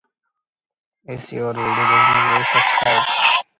Orangeville and Garafraxa East were annexed by Dufferin County.